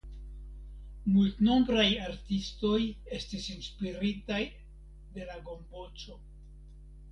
Multnombraj artistoj estis inspiritaj de la gomboco.